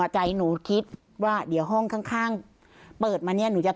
ใช่ครับผม